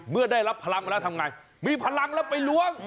ได้รับพลังมาแล้วทำไงมีพลังแล้วไปล้วง